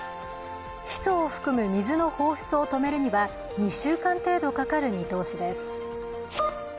ヒ素を含む水の放出を止めるには２週間程度かかる見通しです。